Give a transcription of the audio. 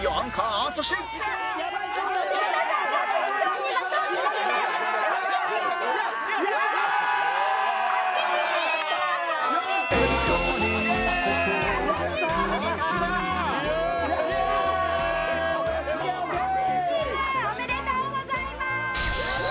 淳チームおめでとうございます。